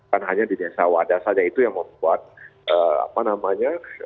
kan hanya di desa wadasannya itu yang membuat apa namanya